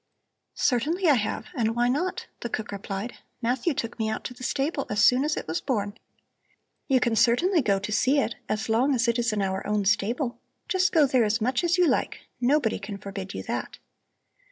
"Certainly I have, and why not?" the cook replied. "Matthew took me out to the stable as soon as it was born. You can certainly go to see it as long as it is in our own stable. Just go there as much as you like! Nobody can forbid you that."